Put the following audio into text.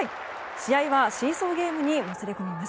試合はシーソーゲームにもつれ込みます。